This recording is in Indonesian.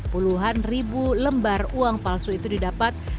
puluhan ribu lembar uang palsu itu didapat